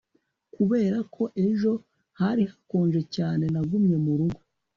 kubera ko ejo hari hakonje cyane, nagumye murugo